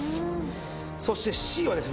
そしてＣはですね